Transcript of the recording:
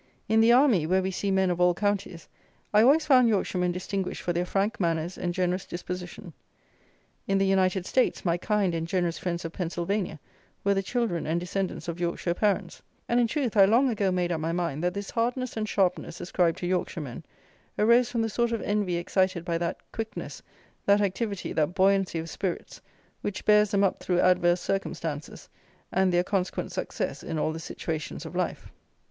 In the army, where we see men of all counties, I always found Yorkshiremen distinguished for their frank manners and generous disposition. In the United States, my kind and generous friends of Pennsylvania were the children and descendants of Yorkshire parents; and, in truth, I long ago made up my mind that this hardness and sharpness ascribed to Yorkshiremen arose from the sort of envy excited by that quickness, that activity, that buoyancy of spirits, which bears them up through adverse circumstances, and their conquent success in all the situations of life.